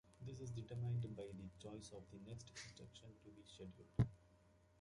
This is determined by the choice of the next instruction to be scheduled.